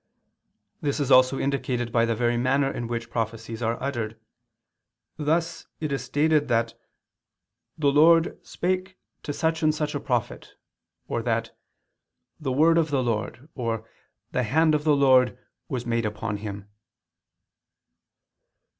This is also indicated by the very manner in which prophecies are uttered: thus it is stated that "the Lord spake to such and such a prophet," or that "the word of the Lord," or "the hand of the Lord was made upon him."